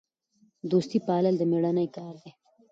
دوستي پالل د میړانې کار دی.